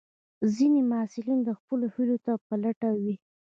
ځینې محصلین د خپلو هیلو په لټه وي.